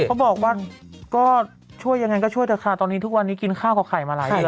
เขาบอกว่าก็ช่วยยังไงก็ช่วยเถอะค่ะตอนนี้ทุกวันนี้กินข้าวกับไข่มาหลายเดือน